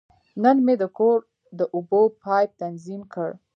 نن مې د کور د اوبو پایپ تنظیم کړ.